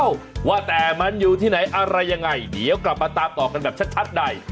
ว่าแต่มันอยู่ที่ไหนอะไรยังไงเดี๋ยวกลับมาตามต่อกันแบบชัดใน